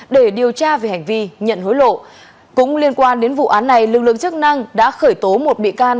để điều tra về hành vi nhận hối lộ cũng liên quan đến vụ án này lực lượng chức năng đã khởi tố một bị can